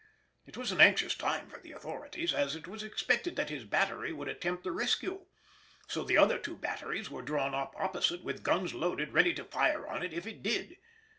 It was an anxious time for the authorities, as it was expected that his battery would attempt a rescue, so the other two batteries were drawn up opposite with guns loaded ready to fire on it if it did.